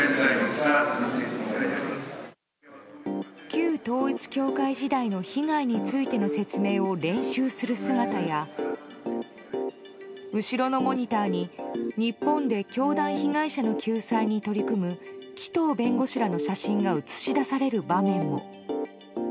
旧統一教会時代の被害についての説明を練習する姿や後ろのモニターに、日本で教団被害者の救済に取り組む紀藤弁護士らの写真が映し出される場面も。